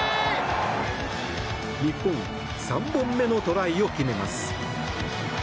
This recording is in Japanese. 日本、３本目のトライを決めます。